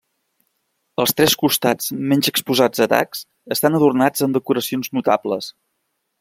Els tres costats menys exposats a atacs estan adornats amb decoracions notables.